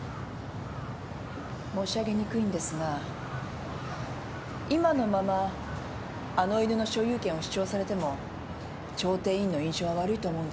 申し上げにくいんですが今のままあの犬の所有権を主張されても調停委員の印象は悪いと思うんですよ。